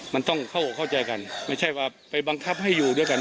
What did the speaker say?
มันต้องเข้าอกเข้าใจกันไม่ใช่ว่าไปบังคับให้อยู่ด้วยกัน